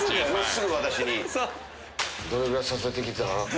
どれぐらい刺さってきた？